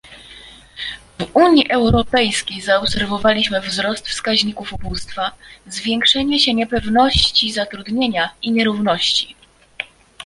W Unii Europejskiej zaobserwowaliśmy wzrost wskaźników ubóstwa, zwiększenie się niepewności zatrudnienia i nierówności